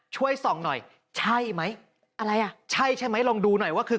ช่วยส่องหน่อยใช่ไหมอะไรอ่ะใช่ใช่ไหมลองดูหน่อยว่าคือ